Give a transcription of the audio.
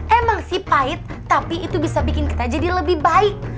emang sih pahit tapi itu bisa bikin kita jadi lebih baik